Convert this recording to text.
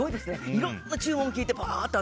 いろんな注文を聞いて、パーッと。